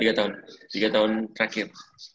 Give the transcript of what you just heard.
tiga tahun tiga tahun terakhir